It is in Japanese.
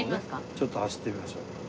ちょっと走ってみましょう。